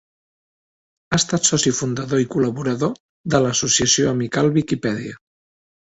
Ha estat soci fundador i col·laborador de l'Associació Amical Viquipèdia.